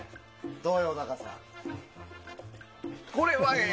どうよ、小高さん。